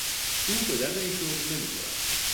او به درد این شغل نمیخورد.